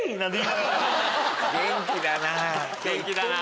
元気だな！